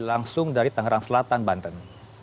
langsung dari tangerang selatan banten